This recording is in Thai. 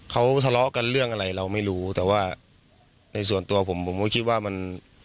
เขาทะเลาะกันเรื่องอะไรเราไม่รู้แต่ว่าในส่วนตัวผมผมก็คิดว่ามัน